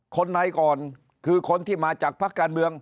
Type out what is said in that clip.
คนในก่อนคือคนที่มาจากพักการเมือง